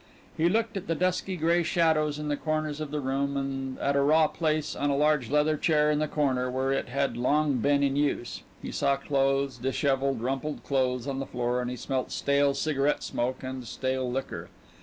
He looked at the dusky gray shadows in the corners of the room and at a raw place on a large leather chair in the corner where it had long been in use. He saw clothes, dishevelled, rumpled clothes on the floor and he smelt stale cigarette smoke and stale liquor.